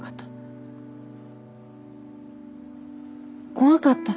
怖かった。